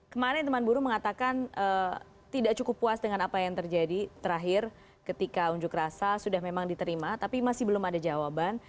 kemarin teman buruh mengatakan tidak cukup puas dengan apa yang terjadi terakhir ketika unjuk rasa sudah memang diterima tapi masih belum ada jawaban